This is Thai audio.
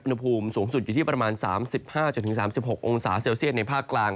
อุณหภูมิสูงสุดอยู่ที่ประมาณ๓๕๓๖องศาเซลเซียตในภาคกลาง